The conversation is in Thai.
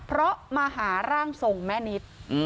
เพราะมาหาร่างทรงแม่นิด